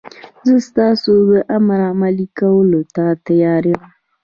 زه ستاسو د امر عملي کولو ته تیار یم.